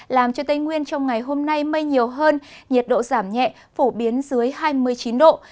làm cho tây nguyên trong ngày hôm nay mây nhiều hơn nhiệt độ giảm nhẹ phổ biến dưới hai mươi chín độ